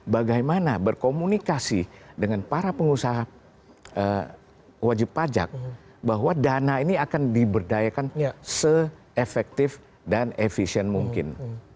bagaimana berkomunikasi dengan para pengusaha wajib pajak bahwa dana ini akan diberdayakan se efektif dan efisien mungkin